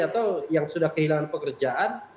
atau yang sudah kehilangan pekerjaan